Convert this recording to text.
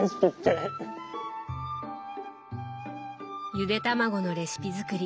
ゆでたまごのレシピ作り